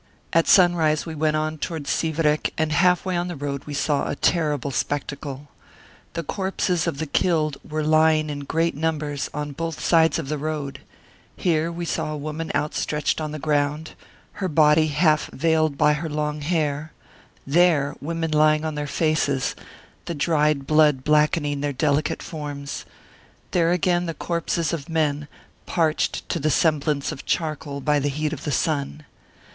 At sunrise we went on towards Sivrek, and half way on the road we saw a terrible spectacle. The corpses of the killed were lying in great numbers on both sides of the road ; here we saw a woman outstretched on the ground, her body half veiled by her long hair; there, women lying on their faces, the dried blood blackening their delicate forms; there again, the corpses of men, parched to the semblance of charcoal by the heat of the sun.